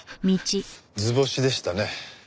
図星でしたね。